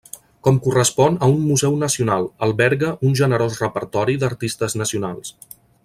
Com correspon a un museu nacional, alberga un generós repertori d'artistes nacionals.